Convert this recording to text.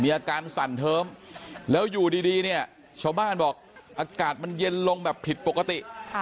อาการสั่นเทิมแล้วอยู่ดีเนี่ยชาวบ้านบอกอากาศมันเย็นลงแบบผิดปกติ